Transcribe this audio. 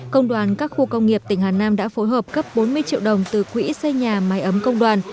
công đoàn các khu công nghiệp tỉnh hà nam đã phối hợp cấp bốn mươi triệu đồng từ quỹ xây nhà mái ấm công đoàn